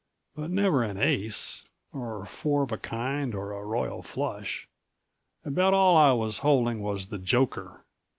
But never an Ace, or four of a kind or a Royal Flush. About all I was holding was the joker.